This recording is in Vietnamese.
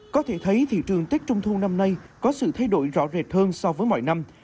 có thể thấy thị trường tết trung thu năm nay có sự thay đổi rõ rệt hơn so với mọi năm